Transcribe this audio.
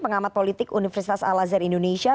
pengamat politik universitas alazer indonesia